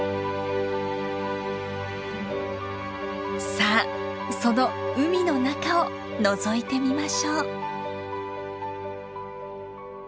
さあその海の中をのぞいてみましょう。